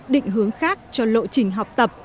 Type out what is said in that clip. định hướng khác cho lộ trình học tập